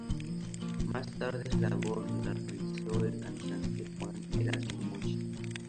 Más tarde esa labor la realizó el cantante Juan Erasmo Mochi.